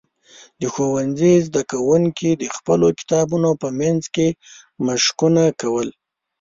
د ښوونځي زده کوونکي د خپلو کتابونو په منځ کې مشقونه کول.